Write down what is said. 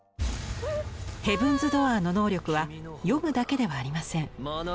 「ヘブンズ・ドアー」の能力は読むだけではありません。